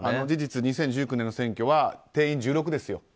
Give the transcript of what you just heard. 事実、２０１９年の選挙は定員、１６ですよ。